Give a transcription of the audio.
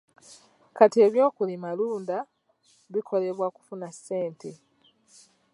Kati eby'okulimalunda bikolebwa kufunamu ssente.